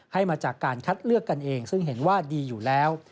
ให้มาจากการคัดเลือกกันเองซึ่งเห็นว่าดีอยู่แล้ว